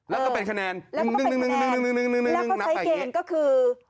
แล้วก็เป็นคะแนนนึ่งนับแบบนี้แล้วก็ใช้เกณฑ์ก็คือ